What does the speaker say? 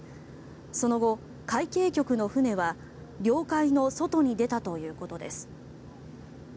その後、海警局の船は領海の外に出たということです。